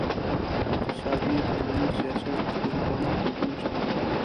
اقتصادي، ټولنیز، سیاسي او کلتوري پرمختګونه شته.